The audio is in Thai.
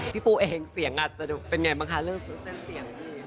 พี่ปูเองเสียงอาจจะเป็นอย่างไรบ้างคะเรื่องเสื้อเส้นเสียง